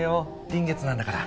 臨月なんだから。